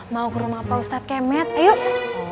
mau ke rumah pak ustadz kemet ayo